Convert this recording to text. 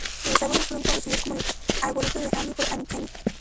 Los árboles fueron conocidos como "El arboreto de Annie" por Annie Kenney.